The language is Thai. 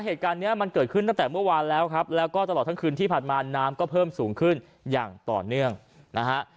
เหตุการณ์เนี้ยมันเกิดขึ้นตั้งแต่เมื่อวานแล้วครับแล้วก็ตลอดทั้งคืนที่ผ่านมาน้ำก็เพิ่มสูงขึ้นอย่างต่อเนื่องนะฮะ